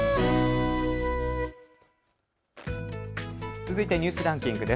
続いてニュースランキングです。